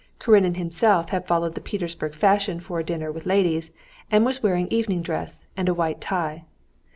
Karenin himself had followed the Petersburg fashion for a dinner with ladies and was wearing evening dress and a white tie.